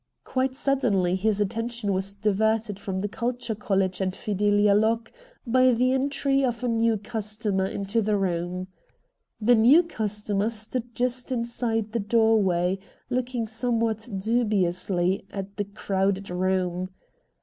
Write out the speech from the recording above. Quite suddenly his attention was diverted from the Culture College and Fidelia Locke by the entry of a new comer into the room. The new comer stood just inside the doorway, looking somewhat dubiously at the crowded room.